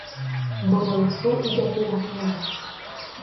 Mborayhu ijapyra'ỹva